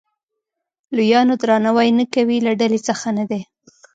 لویانو درناوی نه کوي له ډلې څخه نه دی.